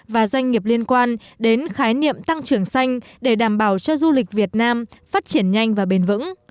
và doanh nghiệp liên quan đến khái niệm tăng trưởng xanh để đảm bảo cho du lịch việt nam phát triển nhanh và bền vững